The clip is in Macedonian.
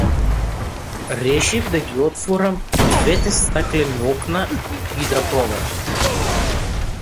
Решив да ги отворам двете стаклени окна и да проветрам.